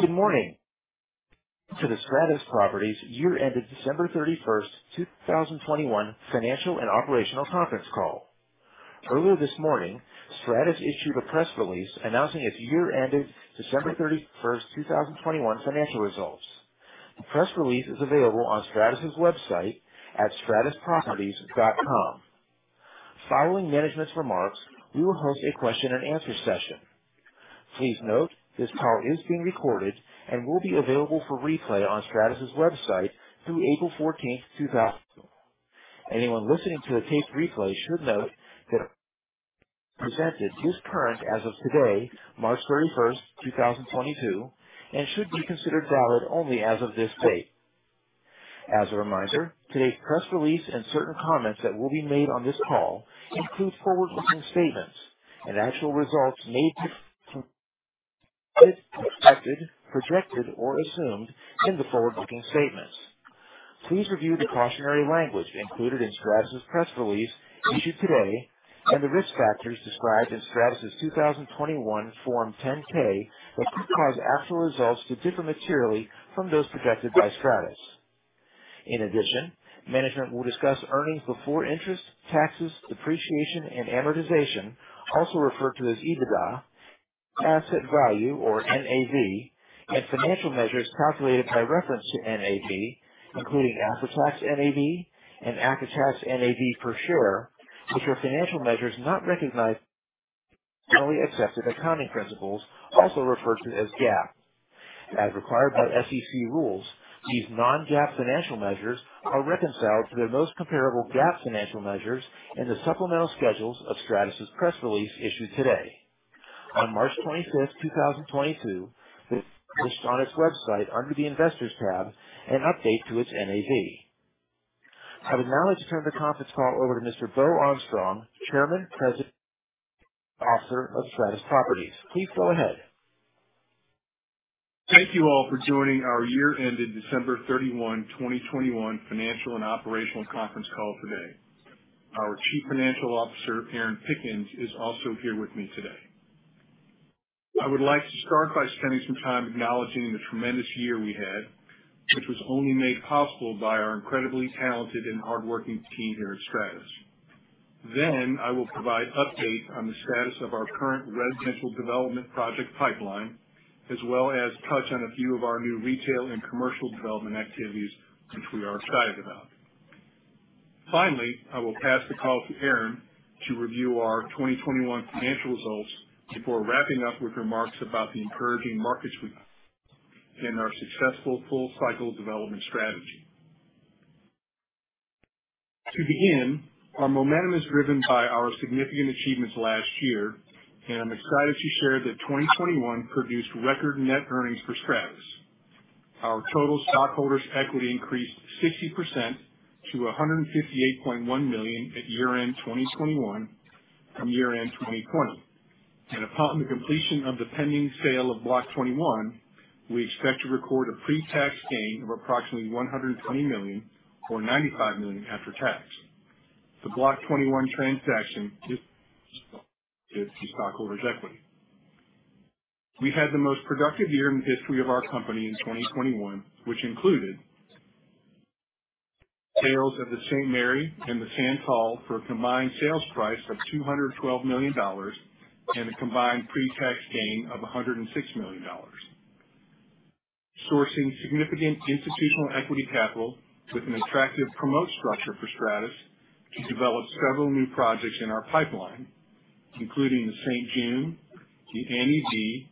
Good morning. Welcome to the Stratus Properties year-ended December 31, 2021 financial and operational conference call. Earlier this morning, Stratus issued a press release announcing its year-ended December 31st, 2021 financial results. The press release is available on Stratus' website at stratusproperties.com. Following management's remarks, we will host a question and answer session. Please note, this call is being recorded and will be available for replay on Stratus' website through April 14th, 2022. Anyone listening to the taped replay should note that the presentation is current as of today, March 31st, 2022, and should be considered valid only as of this date. As a reminder, today's press release and certain comments that will be made on this call include forward-looking statements and actual results may differ from expected, projected, or assumed in the forward-looking statements. Please review the cautionary language included in Stratus' press release issued today and the risk factors described in Stratus' 2021 Form 10-K, which could cause actual results to differ materially from those projected by Stratus. In addition, management will discuss earnings before interest, taxes, depreciation, and amortization, also referred to as EBITDA, asset value, or NAV, and financial measures calculated by reference to NAV, including after-tax NAV and after-tax NAV per share, which are financial measures not recognized under generally accepted accounting principles, also referred to as GAAP. As required by SEC rules, these non-GAAP financial measures are reconciled to their most comparable GAAP financial measures in the supplemental schedules of Stratus' press release issued today. On March 25th, 2022, it published on its website under the Investors tab an update to its NAV. I would now like to turn the conference call over to Mr. Beau Armstrong, Chairman, President, and Chief Executive Officer of Stratus Properties. Please go ahead. Thank you all for joining our year-ended December 31, 2021 financial and operational conference call today. Our Chief Financial Officer, Erin Pickens, is also here with me today. I would like to start by spending some time acknowledging the tremendous year we had, which was only made possible by our incredibly talented and hardworking team here at Stratus. Then I will provide updates on the status of our current residential development project pipeline, as well as touch on a few of our new retail and commercial development activities which we are excited about. Finally, I will pass the call to Erin Pickens to review our 2021 financial results before wrapping up with remarks about the encouraging markets we and our successful full-cycle development strategy. To begin, our momentum is driven by our significant achievements last year, and I'm excited to share that 2021 produced record net earnings for Stratus. Our total stockholders equity increased 60% to $158.1 million at year-end 2021 from year-end 2020. Upon the completion of the pending sale of Block 21, we expect to record a pre-tax gain of approximately $120 million or $95 million after tax. The Block 21 transaction is accretive to stockholders' equity. We had the most productive year in the history of our company in 2021, which included sales of The Saint Mary and The Santal for a combined sales price of $212 million and a combined pre-tax gain of $106 million. Sourcing significant institutional equity capital with an attractive promote structure for Stratus to develop several new projects in our pipeline, including The Saint June, The Annie B,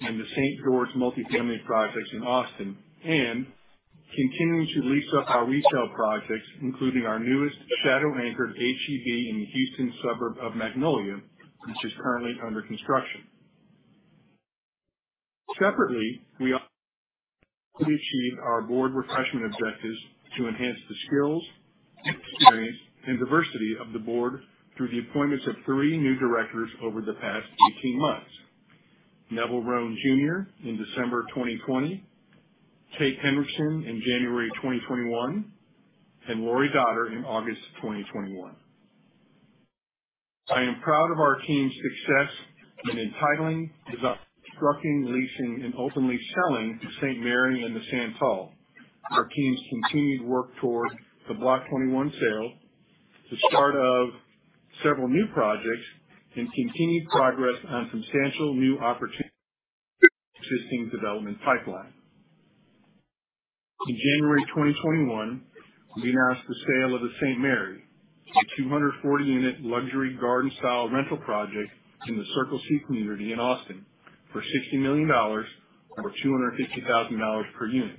and The Saint George multifamily projects in Austin. Continuing to lease up our retail projects, including our newest shadow-anchored H-E-B in the Houston suburb of Magnolia, which is currently under construction. Separately, we achieved our board refreshment objectives to enhance the skills, experience, and diversity of the board through the appointments of three new directors over the past eighteen months. Neville L. Rhone, Jr. in December 2020, Kate B. Henriksen in January 2021, and Laurie Dotter in August 2021. I am proud of our team's success in entitling, constructing, leasing, and ultimately selling The Saint Mary and The Santal. Our team's continued work toward the Block 21 sale, the start of several new projects, and continued progress on existing development pipeline. In January 2021, we announced the sale of The Saint Mary, a 240-unit luxury, garden-style rental project in the Circle C community in Austin for $60 million or $250,000 per unit.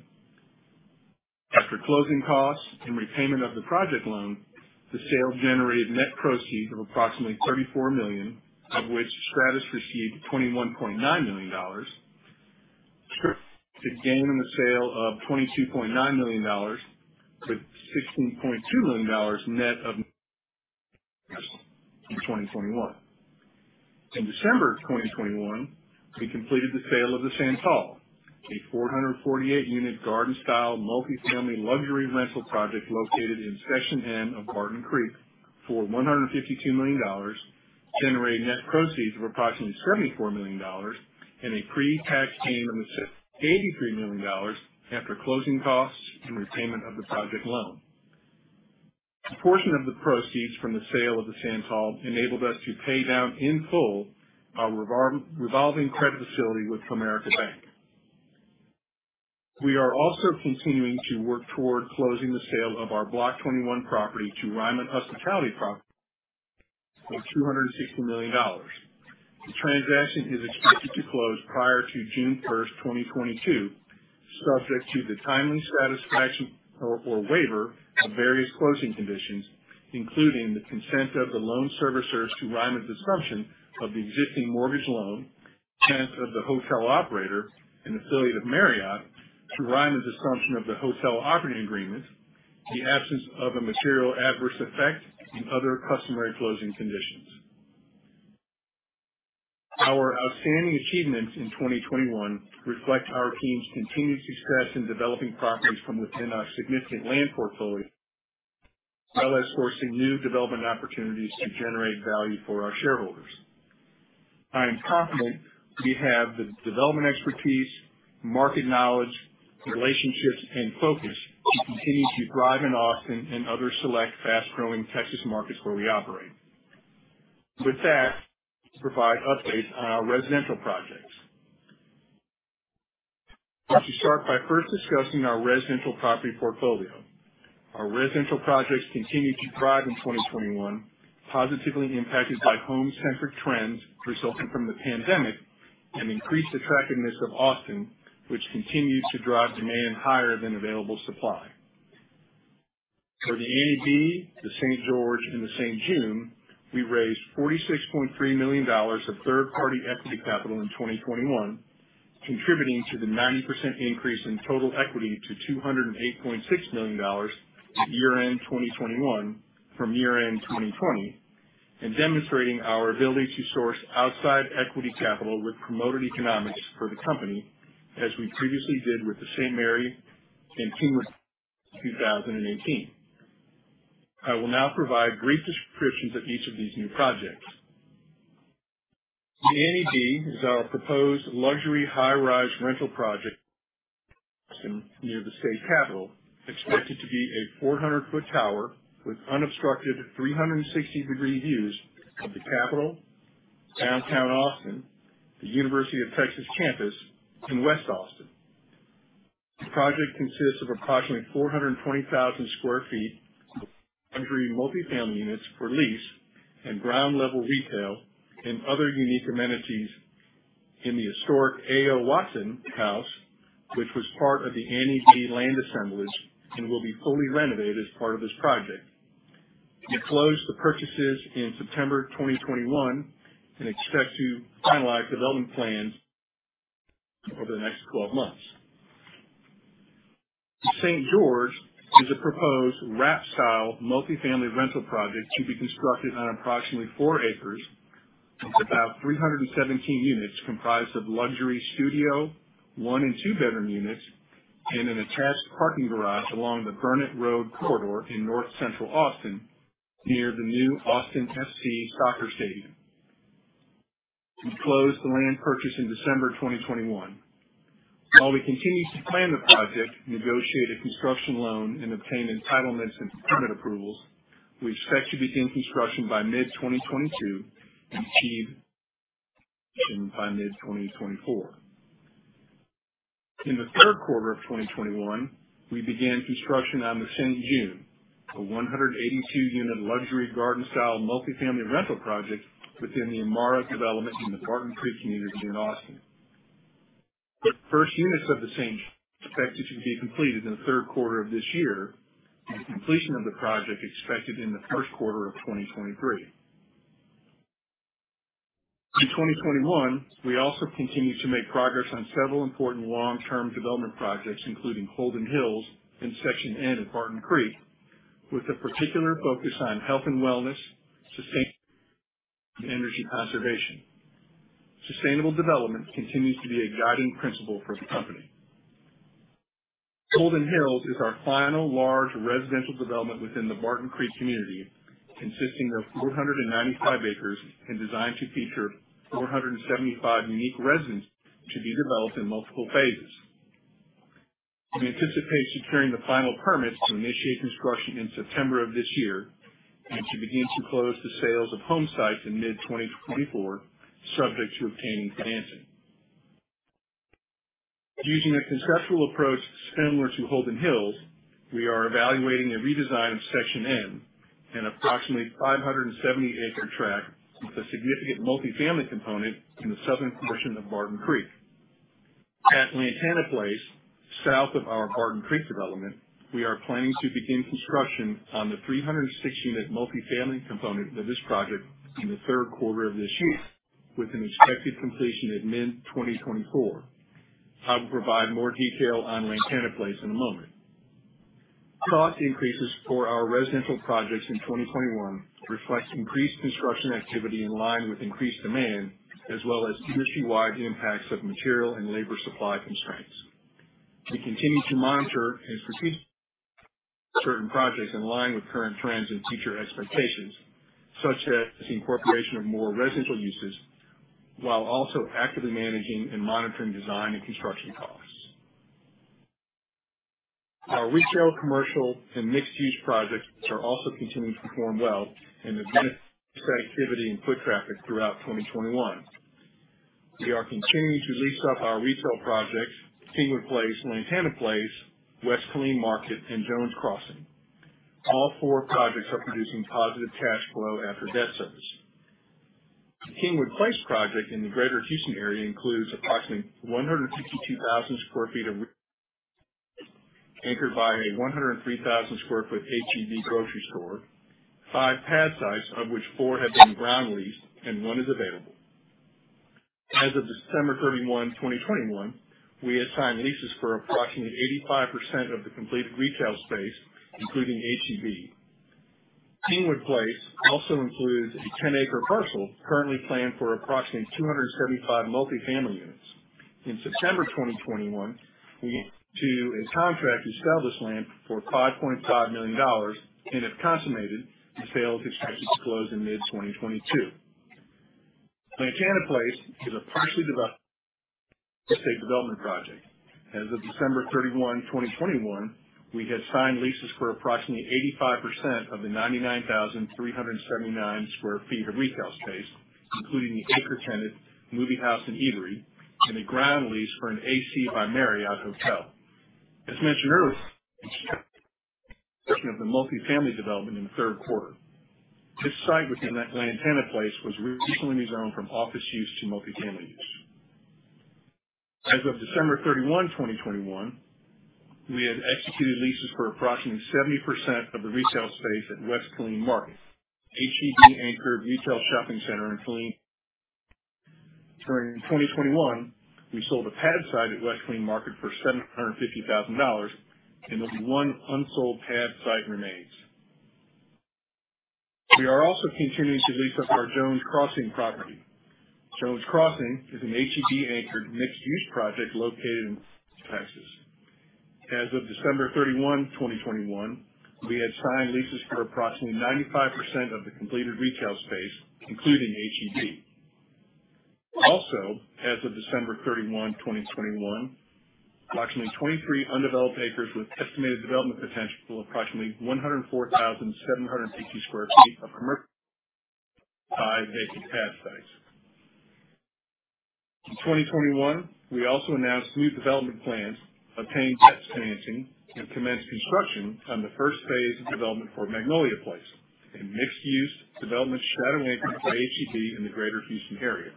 After closing costs and repayment of the project loan, the sale generated net proceeds of approximately $34 million, of which Stratus received $21.9 million. Gain on the sale of $22.9 million, with $16.2 million net of tax in 2021. In December 2021, we completed the sale of The Santal 448-unit garden-style multifamily luxury rental project located in Section N of Barton Creek for $152 million, generating net proceeds of approximately $74 million and a pre-tax gain of $83 million after closing costs and repayment of the project loan. A portion of the proceeds from the sale of The Santal enabled us to pay down in full our revolving credit facility with Comerica Bank. We are also continuing to work toward closing the sale of our Block 21 property to Ryman Hospitality Properties for $260 million. The transaction is expected to close prior to June 1, 2022, subject to the timely satisfaction or waiver of various closing conditions, including the consent of the loan servicers to Ryman's assumption of the existing mortgage loan, consent of the hotel operator, an affiliate of Marriott, to Ryman's assumption of the hotel operating agreement, the absence of a material adverse effect and other customary closing conditions. Our outstanding achievements in 2021 reflect our team's continued success in developing properties from within our significant land portfolio, as well as sourcing new development opportunities to generate value for our shareholders. I am confident we have the development expertise, market knowledge, relationships, and focus to continue to thrive in Austin and other select fast-growing Texas markets where we operate. With that, provide updates on our residential projects. I'll start by first discussing our residential property portfolio. Our residential projects continued to thrive in 2021, positively impacted by home-centric trends resulting from the pandemic and increased attractiveness of Austin, which continues to drive demand higher than available supply. For The Annie B, The Saint George and The Saint June, we raised $46.3 million of third-party equity capital in 2021, contributing to the 90% increase in total equity to $208.6 million at year-end 2021 from year-end 2020, and demonstrating our ability to source outside equity capital with promoted economics for the company, as we previously did with The Saint Mary in 2018. I will now provide brief descriptions of each of these new projects. The Annie B is our proposed luxury high-rise rental project near the Texas State Capitol, expected to be a 400-foot tower with unobstructed 360-degree views of the capitol, downtown Austin, the University of Texas campus in West Austin. The project consists of approximately 420,000 sq ft of luxury multifamily units for lease and ground level retail and other unique amenities in the historic A.O. Watson House, which was part of The Annie B land assemblage and will be fully renovated as part of this project. We closed the purchases in September 2021 and expect to finalize development plans over the next 12 months. The Saint George is a proposed wrap-style multifamily rental project to be constructed on approximately four acres with about 317 units comprised of luxury studio, one and two-bedroom units, and an attached parking garage along the Burnet Road Corridor in North Central Austin, near the new Austin FC soccer stadium. We closed the land purchase in December 2021. While we continue to plan the project, negotiate a construction loan, and obtain entitlements and permit approvals, we expect to begin construction by mid-2022 and achieve by mid-2024. In the third quarter of 2021, we began construction on The Saint June, a 182-unit luxury garden-style multifamily rental project within the Amarra development in the Barton Creek community in Austin. The first units of The Saint expected to be completed in the third quarter of this year, and completion of the project expected in the first quarter of 2023. In 2021, we also continued to make progress on several important long-term development projects, including Holden Hills in Section N of Barton Creek, with a particular focus on health and wellness, sustainable energy conservation. Sustainable development continues to be a guiding principle for the company. Holden Hills is our final large residential development within the Barton Creek community, consisting of 495 acres and designed to feature 475 unique residences to be developed in multiple phases. We anticipate securing the final permits to initiate construction in September of this year and to begin to close the sales of homesites in mid-2024, subject to obtaining financing. Using a conceptual approach similar to Holden Hills, we are evaluating a redesign of Section N, an approximately 570-acre tract with a significant multifamily component in the southern portion of Barton Creek. At Lantana Place, south of our Barton Creek development, we are planning to begin construction on the 360-unit multifamily component of this project in the third quarter of this year with an expected completion in mid-2024. I will provide more detail on Lantana Place in a moment. Cost increases for our residential projects in 2021 reflect increased construction activity in line with increased demand, as well as industry-wide impacts of material and labor supply constraints. We continue to monitor and proceed certain projects in line with current trends and future expectations, such as the incorporation of more residential uses, while also actively managing and monitoring design and construction costs. Our retail, commercial, and mixed use projects are also continuing to perform well and have benefited from activity and foot traffic throughout 2021. We are continuing to lease up our retail projects, Kingwood Place, Lantana Place, West Killeen Market, and Jones Crossing. All four projects are producing positive cash flow after debt service. The Kingwood Place project in the Greater Houston area includes approximately 162,000 sq ft of retail, anchored by a 103,000 sq ft H-E-B grocery store, five pad sites, of which four have been ground leased and one is available. As of December 31, 2021, we had signed leases for approximately 85% of the completed retail space, including H-E-B. Kingwood Place also includes a 10-acre parcel currently planned for approximately 275 multifamily units. In September 2021, we entered into a contract to sell this land for $5.5 million, and if consummated, the sale is expected to close in mid-2022. Lantana Place is a partially developed estate development project. As of December 31, 2021, we had signed leases for approximately 85% of the 99,379 sq ft of retail space, including the anchor tenant, Moviehouse & Eatery, and a ground lease for an AC Hotels by Marriott hotel. As mentioned of the multifamily development in the third quarter. This site within Lantana Place was recently rezoned from office use to multifamily use. As of December 31, 2021, we had executed leases for approximately 70% of the retail space at West Killeen Market, H-E-B anchored retail shopping center in Killeen. During 2021, we sold a pad site at West Killeen Market for $750,000, and only one unsold pad site remains. We are also continuing to lease up our Jones Crossing property. Jones Crossing is an H-E-B anchored mixed-use project located in Texas. As of December 31, 2021, we had signed leases for approximately 95% of the completed retail space, including H-E-B. Also, as of December 31, 2021, approximately 23 undeveloped acres with estimated development potential of approximately 104,760 sq ft of commercial, five vacant pad sites. In 2021, we also announced new development plans, obtained debt financing, and commenced construction on the first phase of development for Magnolia Place, a mixed-use development shadow anchored by H-E-B in the Greater Houston area.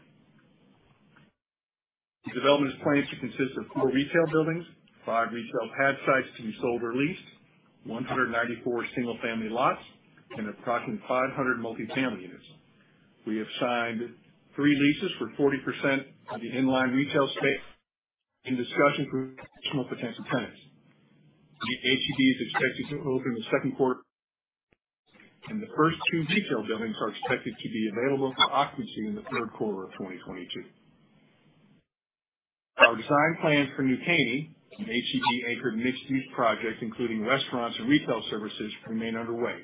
The development is planned to consist of four retail buildings, five retail pad sites to be sold or leased, 194 single-family lots, and approximately 500 multifamily units. We have signed three leases for 40% of the in-line retail space. We are in discussion for additional potential tenants. The H-E-B is expected to open in the second quarter, and the first two retail buildings are expected to be available for occupancy in the third quarter of 2022. Our design plans for New Caney, an H-E-B anchored mixed-use project, including restaurants and retail services, remain underway.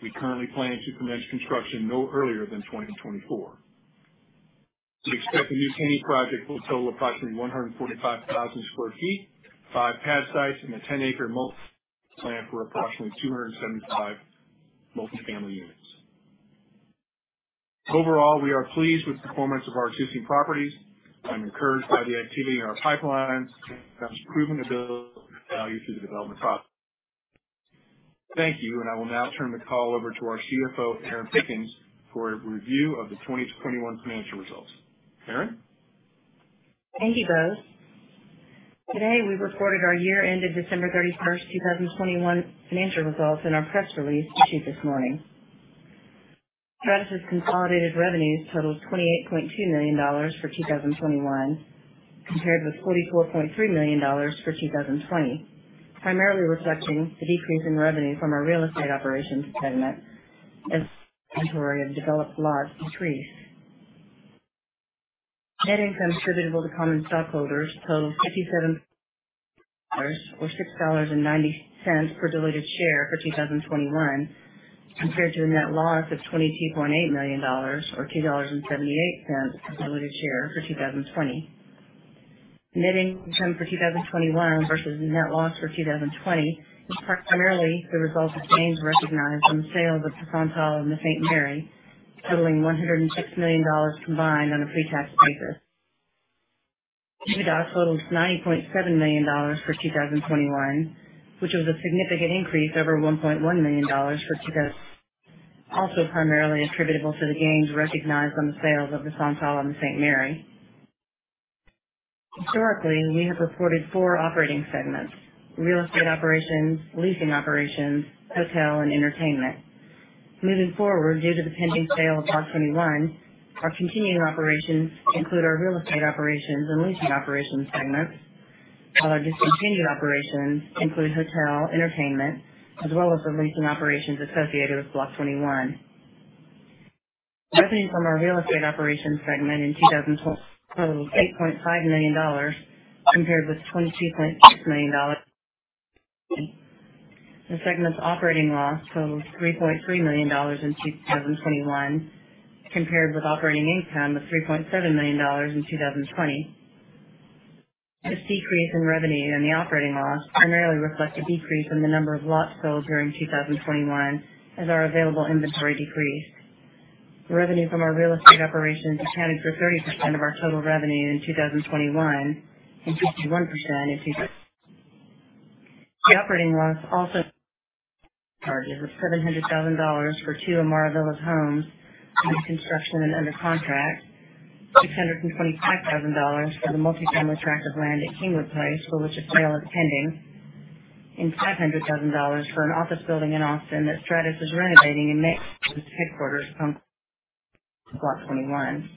We currently plan to commence construction no earlier than 2024. We expect the New Caney project will total approximately 145,000 sq ft, five pad sites, and a 10-acre multi plan for approximately 275 multifamily units. Overall, we are pleased with the performance of our existing properties and encouraged by the activity in our pipelines, which demonstrates proven ability to create value through the development process. Thank you, and I will now turn the call over to our CFO, Erin Pickens, for a review of the 2021 financial results. Erin? Thank you, Beau. Today, we reported our year-end of December 31st, 2021 financial results in our press release issued this morning. Stratus' consolidated revenues totaled $28.2 million for 2021 compared with $44.3 million for 2020, primarily reflecting the decrease in revenue from our real estate operations segment as our inventory of developed lots decreased. Net income attributable to common stockholders totaled $57 million or $6.90 per diluted share for 2021 compared to a net loss of $22.8 million or $2.78 per diluted share for 2020. Net income for 2021 versus the net loss for 2020 was primarily the result of gains recognized on the sale of The Santal and the Saint Mary, totaling $106 million combined on a pre-tax basis. EBITDA totals $90.7 million for 2021, which was a significant increase over $1.1 million for 2020, also primarily attributable to the gains recognized on the sales of The Santal and The Saint Mary. Historically, we have reported four operating segments: Real Estate Operations, Leasing Operations, Hotel, and Entertainment. Moving forward, due to the pending sale of Block 21, our continuing operations include our Real Estate Operations and Leasing Operations segments, while our discontinued operations include hotel entertainment as well as the leasing operations associated with Block 21. Revenue from our Real Estate Operations segment in 2021 totaled $8.5 million compared with $22.6 million. The segment's operating loss totaled $3.3 million in 2021 compared with operating income of $3.7 million in 2020. This decrease in revenue and the operating loss primarily reflect a decrease in the number of lots sold during 2021 as our available inventory decreased. Revenue from our real estate operations accounted for 30% of our total revenue in 2021 and 51% in. The operating loss also of $700,000 for two of Amarra Villas homes under construction and under contract, $625,000 for the multifamily tract of land at Kingwood Place, for which a sale is pending, and $500,000 for an office building in Austin that Stratus is renovating and makes its headquarters from Block 21.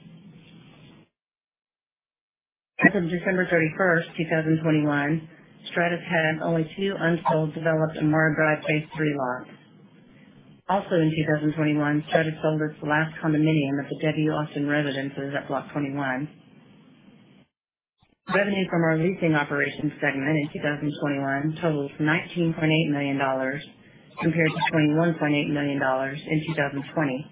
As of December 31st, 2021, Stratus had only two unsold developed Amarra Drive Phase III lots. In 2021, Stratus sold its last condominium at the W Austin Residences at Block 21. Revenue from our leasing operations segment in 2021 totaled $19.8 million compared to $21.8 million in 2020.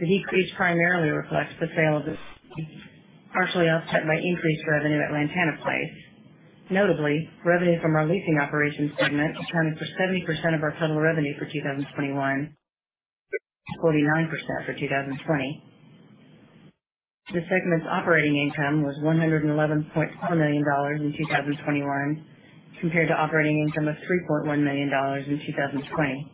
The decrease primarily reflects the sale of partially offset by increased revenue at Lantana Place. Revenue from our leasing operations segment accounted for 70% of our total revenue for 2021, 49% for 2020. The segment's operating income was $111.4 million in 2021 compared to operating income of $3.1 million in 2020.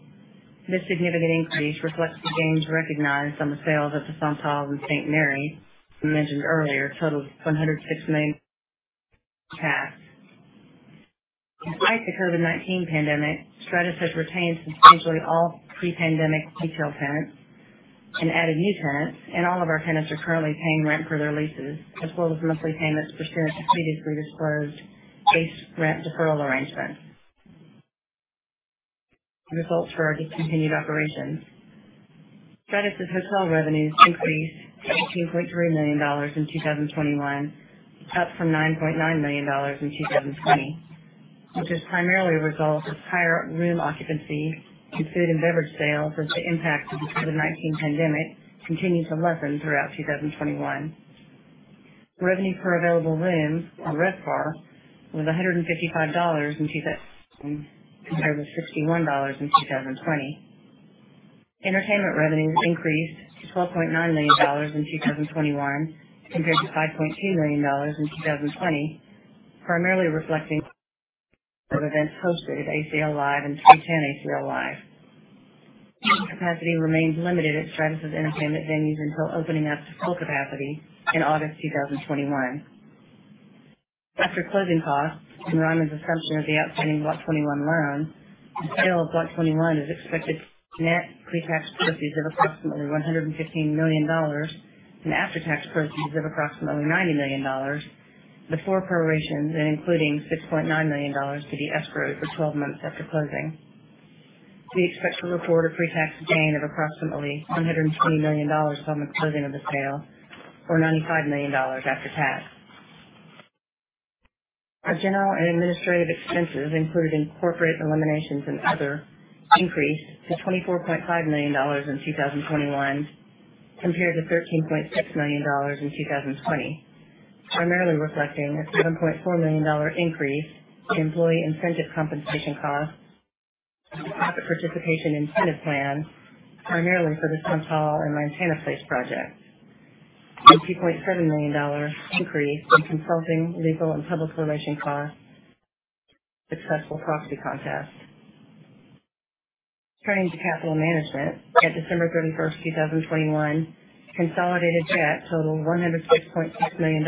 This significant increase reflects the gains recognized on the sales of The Santal and The Saint Mary we mentioned earlier totaled $106 million net. Despite the COVID-19 pandemic, Stratus has retained substantially all pre-pandemic retail tenants and added new tenants, and all of our tenants are currently paying rent for their leases as well as monthly payments for tenants who entered into disclosed base rent deferral arrangements. Results for our discontinued operations. Stratus' hotel revenues increased to $18.3 million in 2021, up from $9.9 million in 2020, which is primarily a result of higher room occupancy and food and beverage sales as the impact of the COVID-19 pandemic continued to lessen throughout 2021. Revenue per available room, or RevPAR, was $155 in 2021. Compared with $61 in 2020. Entertainment revenues increased to $12.9 million in 2021 compared to $5.2 million in 2020, primarily reflecting of events hosted at ACL Live and 3TEN ACL Live. Capacity remains limited at Stratus' entertainment venues until opening up to full capacity in August 2021. After closing costs and Ryman's assumption of the outstanding Block 21 loan, the sale of Block 21 is expected to net pretax proceeds of approximately $115 million and after-tax proceeds of approximately $90 million before proration and including $6.9 million to be escrowed for 12 months after closing. We expect to report a pretax gain of approximately $120 million from the closing of the sale or $95 million after tax. Our general and administrative expenses included in corporate eliminations and other increased to $24.5 million in 2021 compared to $13.6 million in 2020, primarily reflecting a $7.4 million increase in employee incentive compensation costs, profit participation incentive plan primarily for The Santal and Lantana Place projects, a $2.7 million increase in consulting, legal, and public relations costs, successful proxy contest. Turning to capital management at December 31st, 2021, consolidated debt totaled $106.6 million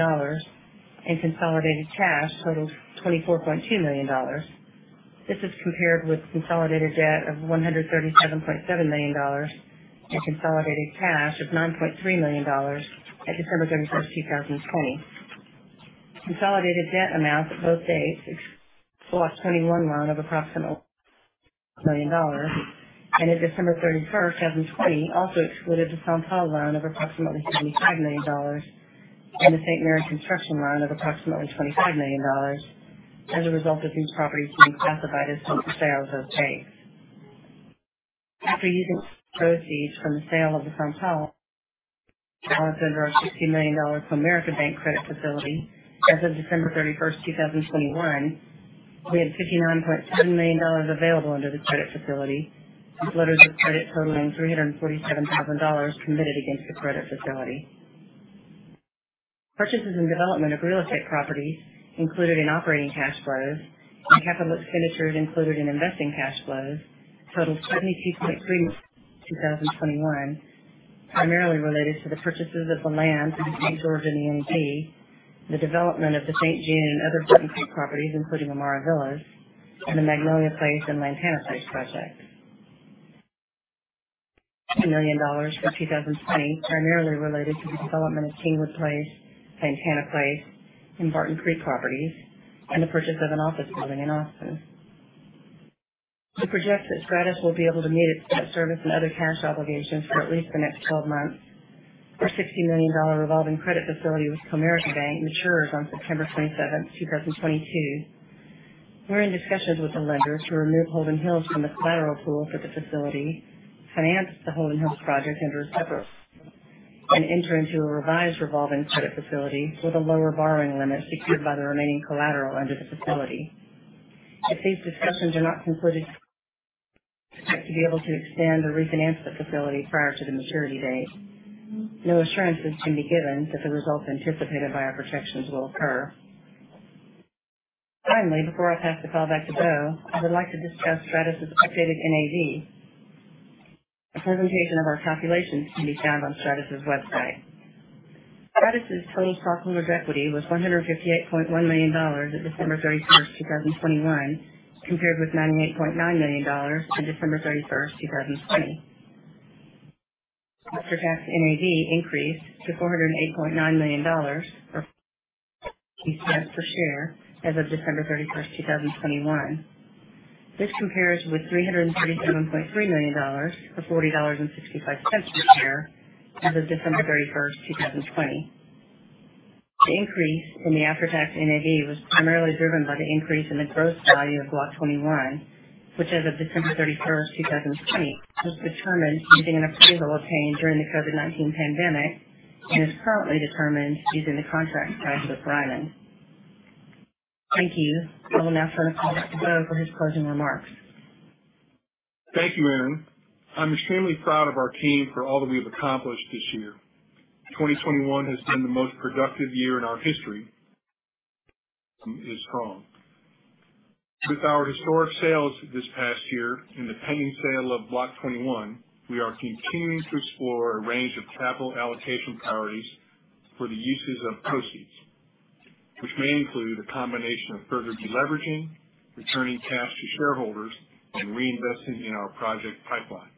and consolidated cash totaled $24.2 million. This is compared with consolidated debt of $137.7 million and consolidated cash of $9.3 million at December 31st, 2020. Consolidated debt amounts at both dates included the Block 21 loan of approximately $193.5 million, and at December 31st, 2020, also excluded The Santal loan of approximately $75 million and The Saint Mary construction loan of approximately $25 million as a result of these properties being classified as held for sale as of that date. After using proceeds from the sale of The Santal to pay down a balance of over $60 million on the Comerica Bank credit facility as of December 31, 2021, we had $59.7 million available under the credit facility, with letters of credit totaling $347,000 committed against the credit facility. Purchases and development of real estate properties included in operating cash flows and capital expenditures included in investing cash flows totaled $72.3 million in 2021, primarily related to the purchases of the land in The Saint George and [Amarra], the development of The Saint June and other Barton Creek properties, including Amarra Villas and the Magnolia Place and Lantana Place project. $2 million for 2020, primarily related to the development of Kingwood Place, Lantana Place, and Barton Creek properties, and the purchase of an office building in Austin. We project that Stratus will be able to meet its debt service and other cash obligations for at least the next 12 months. Our $60 million revolving credit facility with Comerica Bank matures on September 27th, 2022. We're in discussions with the lenders to remove Holden Hills from the collateral pool for the facility, finance the Holden Hills project under a separate facility, and enter into a revised revolving credit facility with a lower borrowing limit secured by the remaining collateral under the facility. If these discussions are not concluded, we expect to be able to extend or refinance the facility prior to the maturity date. No assurances can be given that the results anticipated by our projections will occur. Finally, before I pass the call back to Beau, I would like to discuss Stratus' updated NAV. A presentation of our calculations can be found on Stratus' website. Stratus' total stockholders' equity was $158.1 million at December 31st, 2021, compared with $98.9 million on December 31st, 2020. After-tax NAV increased to $408.9 million or $50 per share as of December 31st, 2021. This compares with $337.3 million or $40.65 per share as of December 31, 2020. The increase in the after-tax NAV was primarily driven by the increase in the gross value of Block 21, which as of December 31st, 2020, was determined using an appraisal obtained during the COVID-19 pandemic and is currently determined using the contract price with Ryman. Thank you. I will now turn the call back to Beau for his closing remarks. Thank you, Erin. I'm extremely proud of our team for all that we have accomplished this year. 2021 has been the most productive year in our history. It is strong. With our historic sales this past year and the pending sale of Block 21, we are continuing to explore a range of capital allocation priorities for the uses of proceeds, which may include a combination of further deleveraging, returning cash to shareholders, and reinvesting in our project pipeline.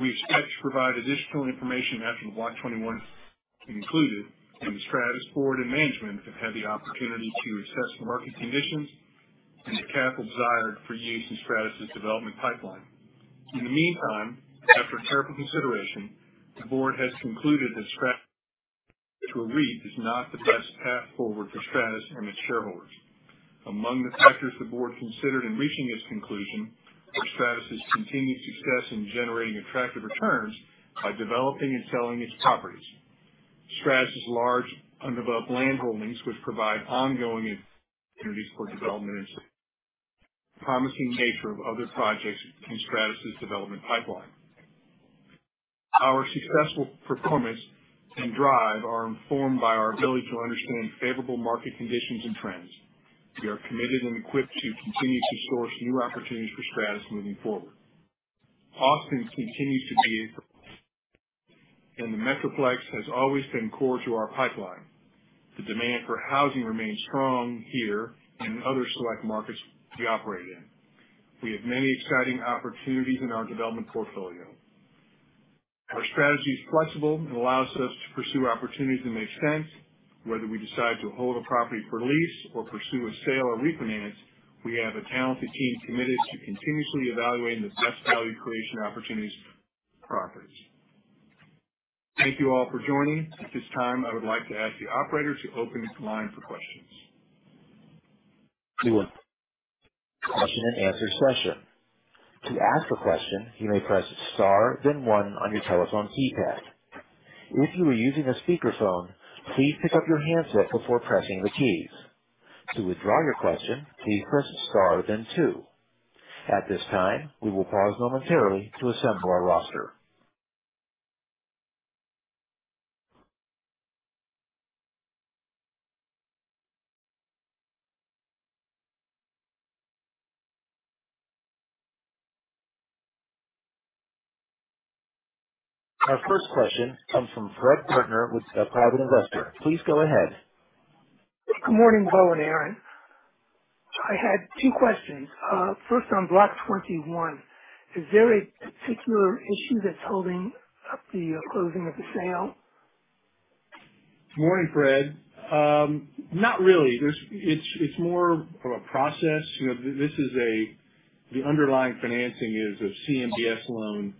We expect to provide additional information after the Block 21 is concluded and the Stratus board and management have had the opportunity to assess the market conditions and the capital desired for use in Stratus' development pipeline. In the meantime, after careful consideration, the board has concluded that converting Stratus to a REIT is not the best path forward for Stratus and its shareholders. Among the factors the board considered in reaching this conclusion were Stratus' continued success in generating attractive returns by developing and selling its properties, Stratus' large undeveloped land holdings, which provide ongoing opportunities for development, and the promising nature of other projects in Stratus' development pipeline. Our successful performance and drive are informed by our ability to understand favorable market conditions and trends. We are committed and equipped to continue to source new opportunities for Stratus moving forward. Austin continues to be a and the Metroplex has always been core to our pipeline. The demand for housing remains strong here and in other select markets we operate in. We have many exciting opportunities in our development portfolio. Our strategy is flexible and allows us to pursue opportunities that make sense. Whether we decide to hold a property for lease or pursue a sale or refinance, we have a talented team committed to continuously evaluating the best value creation opportunities for our properties. Thank you all for joining. At this time, I would like to ask the operator to open the line for questions. We will. Question and answer session. To ask a question, you may press star then one on your telephone keypad. If you are using a speakerphone, please pick up your handset before pressing the keys. To withdraw your question, please press star then two. At this time, we will pause momentarily to assemble our roster. Our first question comes from Fred Burtner with a private investor. Please go ahead. Good morning, Beau and Erin. I had two questions. First on Block 21. Is there a particular issue that's holding up the closing of the sale? Morning, Fred. Not really. It's more of a process. You know, the underlying financing is a CMBS loan,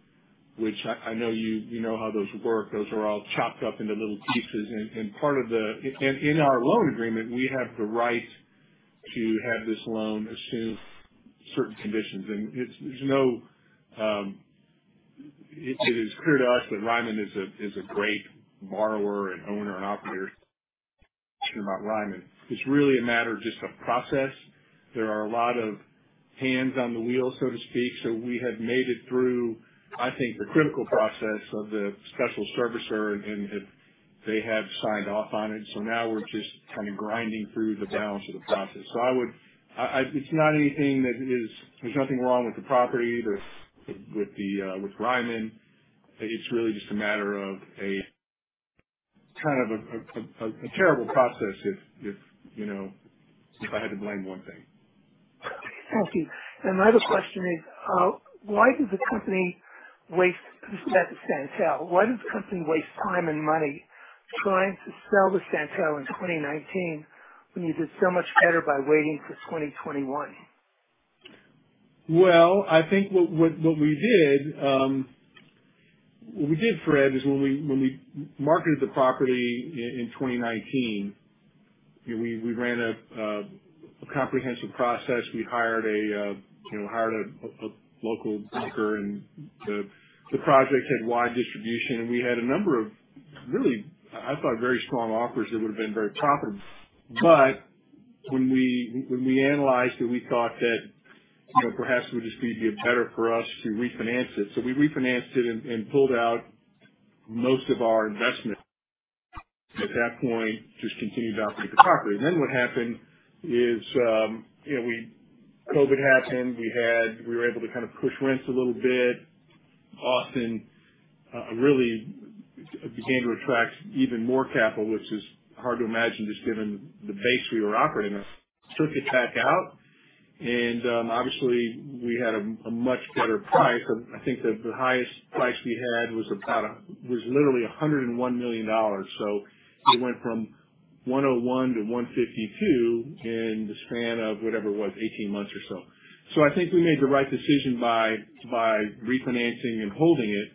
which I know you know how those work. Those are all chopped up into little pieces. Part of the, in our loan agreement, we have the right to have this loan assumed certain conditions. There's no It is clear to us that Ryman is a great borrower and owner and operator. It's really a matter of just a process. There are a lot of hands on the wheel, so to speak. We have made it through, I think, the critical process of the special servicer and they have signed off on it. Now we're just kind of grinding through the balance of the process. I would. It's not anything that is. There's nothing wrong with the property. There's nothing wrong with Ryman. It's really just a matter of kind of a terrible process, if you know, if I had to blame one thing. Thank you. My other question is, why does the company waste The Santal? Why does the company waste time and money trying to sell The Santal in 2019 when you did so much better by waiting for 2021? Well, I think what we did, Fred, is when we marketed the property in 2019, you know, we ran a comprehensive process. We hired a local broker, and the project had wide distribution, and we had a number of really, I thought, very strong offers that would have been very profitable. But when we analyzed it, we thought that, you know, perhaps it would just be a bit better for us to refinance it. We refinanced it and pulled out most of our investment. At that point, we just continued to operate the property. Then what happened is, you know, COVID happened. We were able to kind of push rents a little bit. Austin really began to attract even more capital, which is hard to imagine, just given the base we were operating on. We took it back out and obviously we had a much better price. I think the highest price we had was literally $101 million. It went from $101 million to $152 million in the span of whatever it was, 18 months or so. I think we made the right decision by refinancing and holding it.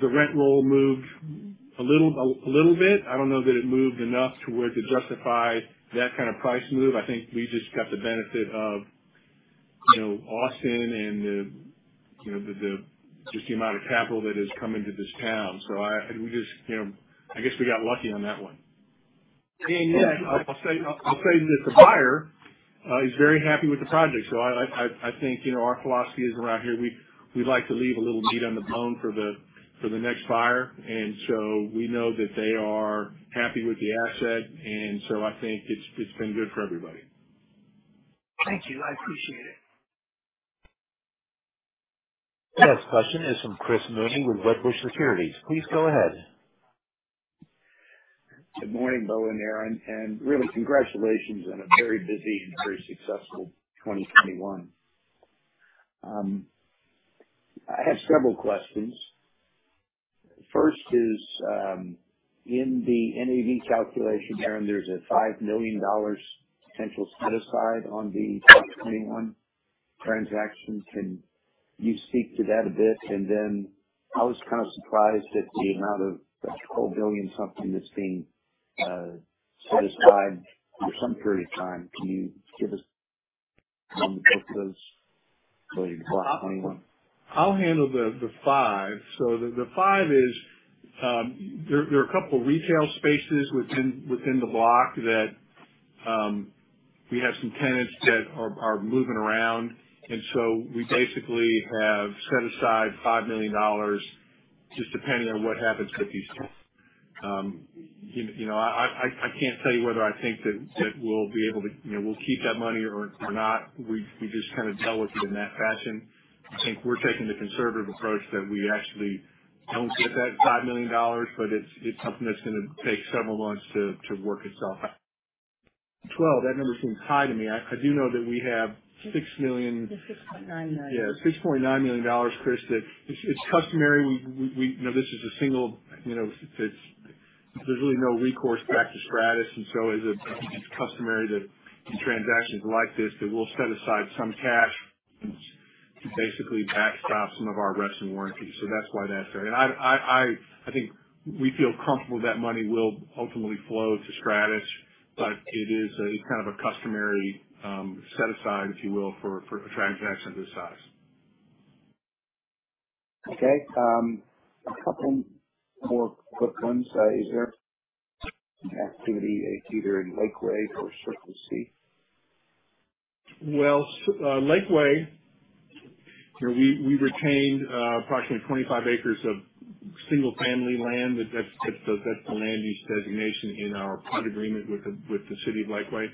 The rent roll moved a little bit. I don't know that it moved enough to where it could justify that kind of price move. I think we just got the benefit of, you know, Austin and the, you know, just the amount of capital that has come into this town. We just, you know, I guess we got lucky on that one. I'll say that the buyer is very happy with the project. I think, you know, our philosophy is around here we like to leave a little meat on the bone for the next buyer. We know that they are happy with the asset. I think it's been good for everybody. Thank you, I appreciate it. Next question is from Chris Mooney with Wedbush Securities. Please go ahead. Good morning, Beau and Erin, and really congratulations on a very busy and very successful 2021. I have several questions. First is, in the NAV calculation, Erin, there's a $5 million potential set aside on the 2021 transaction. Can you speak to that a bit? I was kind of surprised at the amount of that $260 million that's being set aside for some period of time. Can you give us some details for the Block 21? I'll handle the five. The five is there are a couple retail spaces within the block that we have some tenants that are moving around. We basically have set aside $5 million just depending on what happens with these tenants. You know, I can't tell you whether I think that we'll be able to, you know, we'll keep that money or not. We just kind of dealt with it in that fashion. I think we're taking the conservative approach that we actually don't get that $5 million, but it's something that's gonna take several months to work itself out. 12, that number seems high to me. I do know that we have $6 million. $6.9 million. Yeah, $6.9 million, Chris, that it's customary. We, you know, this is a single, you know, it's. There's really no recourse back to Stratus, and so, it's customary that in transactions like this, that we'll set aside some cash to basically backstop some of our reps and warranties. That's why that's there. I think we feel comfortable that money will ultimately flow to Stratus, but it is a kind of a customary set aside, if you will, for a transaction of this size. Okay. A couple more quick ones. Is there any activity either in Lakeway or Circle C? Well, Lakeway, you know, we retained approximately 25 acres of single-family land. That's the land use designation in our PUD agreement with the city of Lakeway.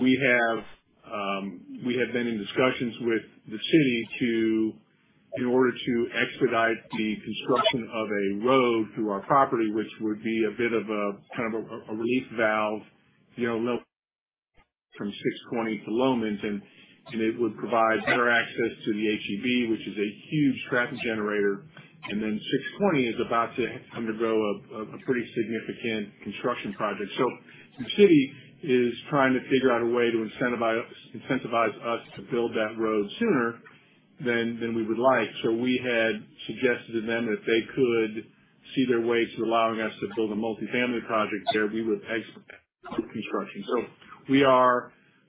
We had been in discussions with the city in order to expedite the construction of a road through our property, which would be a bit of a relief valve, you know, from 620 to Lohmans, and it would provide better access to the H-E-B, which is a huge traffic generator. 620 is about to undergo a pretty significant construction project. The city is trying to figure out a way to incentivize us to build that road sooner than we would like. We had suggested to them that if they could see their way to allowing us to build a multi-family project there, we would expedite the construction.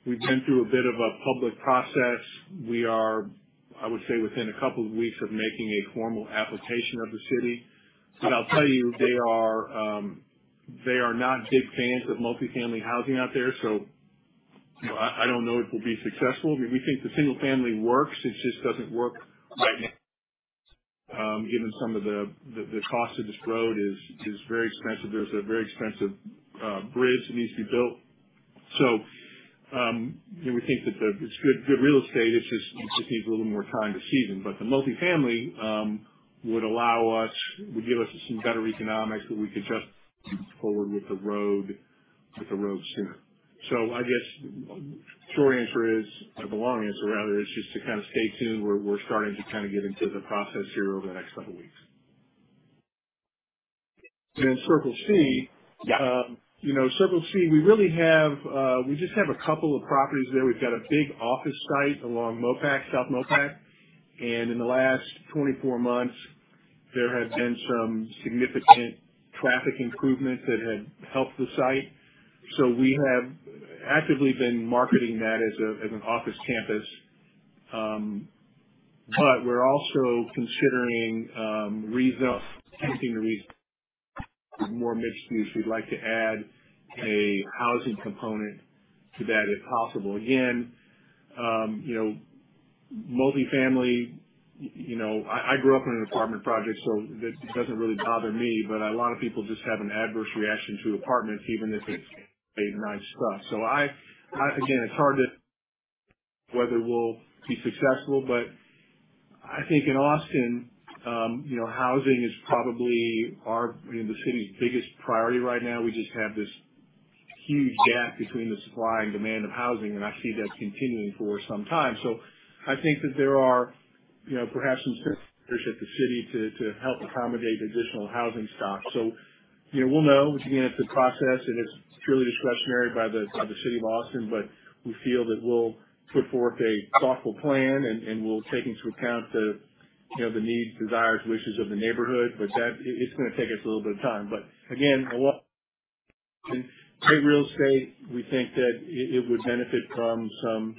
We've been through a bit of a public process. We are, I would say, within a couple of weeks of making a formal application of the city. I'll tell you, they are not big fans of multi-family housing out there. You know, I don't know it will be successful. We think the single family works. It just doesn't work right now, given some of the cost of this road is very expensive. There's a very expensive bridge that needs to be built. You know, we think that it's good real estate. It just needs a little more time to season. The multifamily would give us some better economics so we could just move forward with the road sooner. I guess short answer is, or the long answer, rather, is just to kinda stay tuned. We're starting to kinda get into the process here over the next couple weeks. Then Circle C. Yeah. You know, Circle C, we really have, we just have a couple of properties there. We've got a big office site along MoPac, South MoPac. In the last 24 months, there have been some significant traffic improvements that have helped the site. We have actively been marketing that as an office campus. But we're also considering attempting to redevelop more mixed use. We'd like to add a housing component to that if possible. Again, you know, multifamily, you know. I grew up in an apartment project, so this doesn't really bother me, but a lot of people just have an adverse reaction to apartments, even if it's nice stuff. Again, it's hard to say whether we'll be successful, but I think in Austin, you know, housing is probably the city's biggest priority right now. We just have this huge gap between the supply and demand of housing, and I see that continuing for some time. I think that there are, you know, perhaps some aid from the city to help accommodate the additional housing stock. You know, we'll know. Again, it's a process, and it's purely discretionary by the city of Austin. We feel that we'll put forth a thoughtful plan and we'll take into account the, you know, the needs, desires, wishes of the neighborhood. But that's gonna take us a little bit of time. real estate, we think that it would benefit from some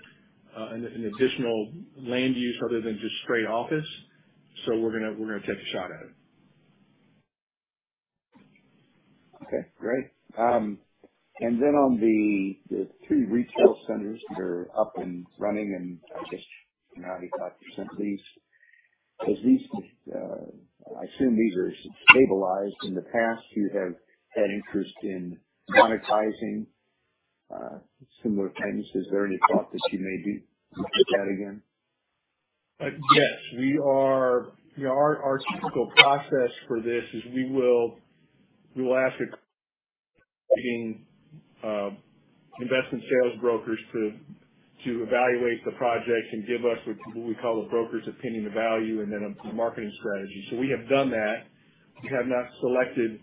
additional land use other than just straight office. We're gonna take a shot at it. Okay, great. On the three retail centers that are up and running, and I guess now 85% leased. Have these, I assume these are stabilized. In the past, you have had interest in monetizing similar tenants. Is there any thought that you may be looking at that again? Yes. We are. Our typical process for this is we will ask a team of investment sales brokers to evaluate the project and give us what we call the broker's opinion of value and then a marketing strategy. We have done that. We have not selected.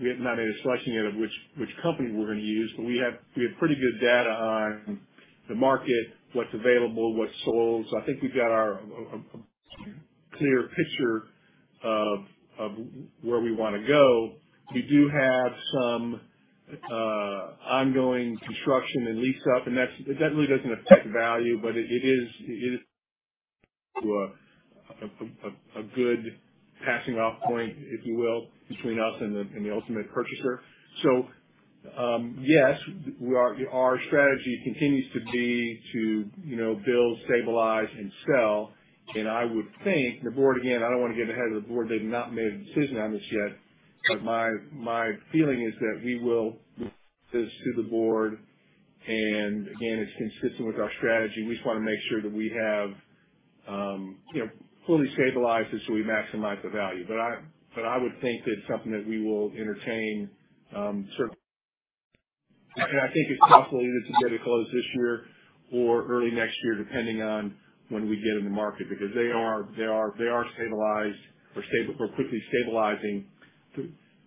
We have not made a selection yet of which company we're gonna use. We have pretty good data on the market, what's available, what's sold. I think we've got a clear picture of where we wanna go. We do have some ongoing construction and lease up, and that's. It definitely doesn't affect value, but it is to a good passing off point, if you will, between us and the ultimate purchaser. Yes, we are. Our strategy continues to be to, you know, build, stabilize and sell. I would think the board, again, I don't wanna get ahead of the board. They've not made a decision on this yet. My feeling is that we will take this to the board. Again, it's consistent with our strategy, and we just wanna make sure that we have, you know, fully stabilized this so we maximize the value. I would think that's something that we will entertain. I think it's possible either to get it closed this year or early next year, depending on when we get in the market, because they are stabilized or quickly stabilizing.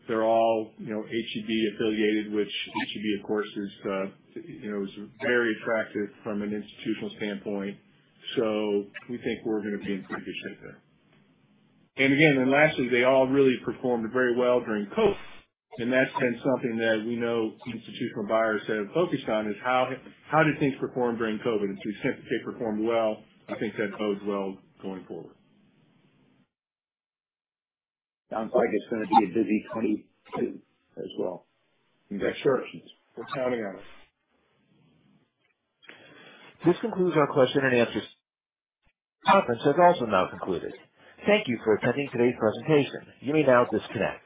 They're all, you know, H-E-B affiliated, which H-E-B of course is, you know, very attractive from an institutional standpoint. We think we're gonna be in pretty good shape there. Again, and lastly, they all really performed very well during COVID, and that's been something that we know institutional buyers have focused on, is how did things perform during COVID? Since they performed well, I think that bodes well going forward. Sounds like it's gonna be a busy 2022 as well. Yes, sir. We're counting on it. This concludes our question and answer. Conference has also now concluded. Thank you for attending today's presentation. You may now disconnect.